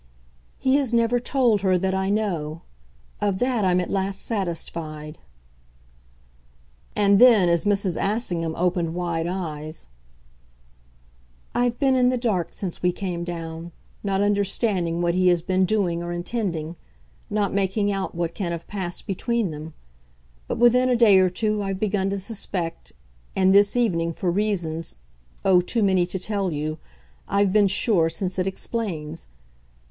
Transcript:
"He has never told her that I know. Of that I'm at last satisfied." And then as Mrs. Assingham opened wide eyes: "I've been in the dark since we came down, not understanding what he has been doing or intending not making out what can have passed between them. But within a day or two I've begun to suspect, and this evening, for reasons oh, too many to tell you! I've been sure, since it explains.